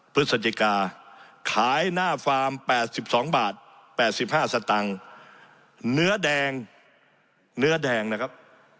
พฤศจิกาขายหน้าฟาร์มแปดสิบสองบาทแปดสิบห้าสัตว์ตังค์เนื้อแดงเนื้อแดงนะครับ